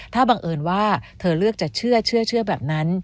ถ้าบังเอิญว่าเธอเลือกจะเชื่อเชื่อเชื่อแบบนั้น